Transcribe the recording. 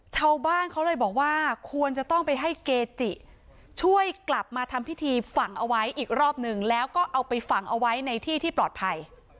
ชาวบ้านเขาเลยบอกว่าควรจะต้องไปให้เกจิช่วยกลับมาทำพิธีฝังเอาไว้อีกรอบหนึ่งแล้วก็เอาไปฝังเอาไว้ในที่ที่ปลอดภัย